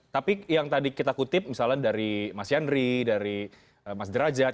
tapi yang tadi kita kutip misalnya dari mas yandri dari mas derajat